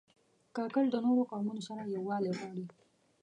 کاکړ د نورو قومونو سره یووالی غواړي.